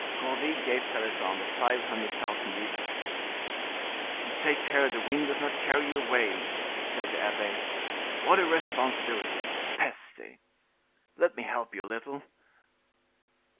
Gourville gave Pelisson the five hundred thousand livres. "Take care the wind does not carry you away," said the abbe; "what a responsibility. Peste! Let me help you a little."